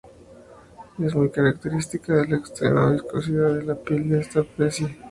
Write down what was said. Es muy característica la extrema viscosidad de la piel de esta especie.